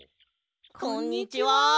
こんにちは。